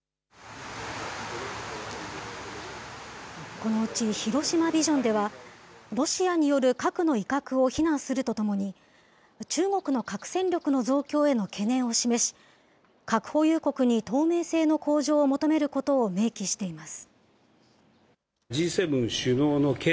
このうち広島ビジョンでは、ロシアによる核の威嚇を非難するとともに、中国の核戦力の増強への懸念を示し、核保有国に透明性の向上を求めることを明記しています。